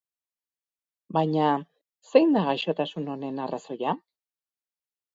Baina zein da gaixotasun honen arrazoia?